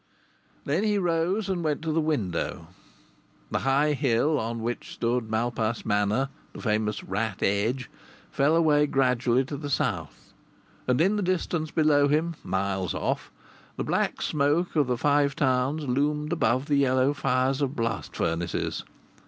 Then he rose and went to the window. The high hill on which stood Malpas Manor the famous Rat Edge fell away gradually to the south, and in the distance below him, miles off, the black smoke of the Five Towns loomed above the yellow fires of blast furnaces.